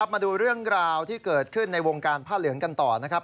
มาดูเรื่องราวที่เกิดขึ้นในวงการผ้าเหลืองกันต่อนะครับ